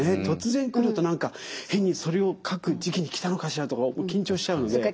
突然来ると何か変にそれを書く時期に来たのかしらとか緊張しちゃうので。